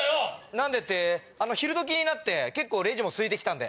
何でって昼時になって結構レジも空いて来たんで。